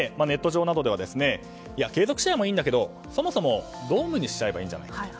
ネット上などでは継続試合もいいんだけどそもそもドームにしちゃえばいいんじゃないか。